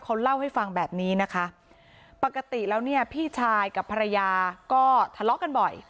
เขาเล่าให้ฟังแบบนี้นะคะปกติแล้วเนี่ยพี่ชายกับภรรยาก็ทะเลาะกันบ่อย